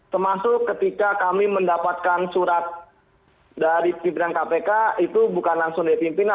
termasuk ketika kami mendapatkan surat dari pimpinan kpk itu bukan langsung dari pimpinan